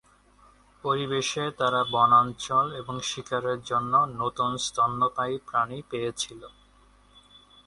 পরিবেশে তারা বনাঞ্চল এবং শিকারের জন্য নতুন স্তন্যপায়ী প্রাণী পেয়েছিল।